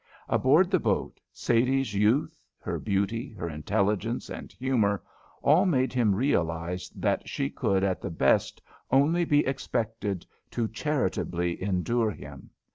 Aboard the boat, Sadie's youth, her beauty, her intelligence and humour, all made him realise that she could at the best only be expected to charitably endure him.